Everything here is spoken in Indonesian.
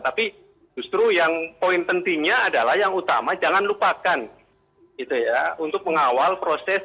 tapi justru yang poin pentingnya adalah yang utama jangan lupakan gitu ya untuk mengawal proses